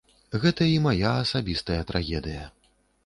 Гэта і мая асабістая трагедыя.